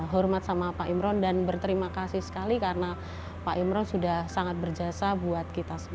hormat sama pak imron dan berterima kasih sekali karena pak imron sudah sangat berjasa buat kita semua